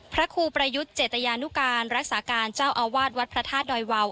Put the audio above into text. พระครูประยุทธ์เจตยานุการรักษาการเจ้าอาวาสวัดพระธาตุดอยวาว